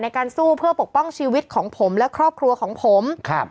ในการสู้เพื่อปกป้องชีวิตของผมและครอบครัวของผมครับ